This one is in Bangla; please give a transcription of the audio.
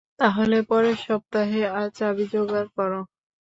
তাহলে পরের সপ্তাহে, আর চাবি যোগাড় করো।